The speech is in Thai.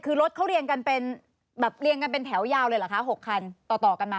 คือรถเขาเรียงกันเป็นแถวยาวเลยหรือคะ๖คันต่อกันมา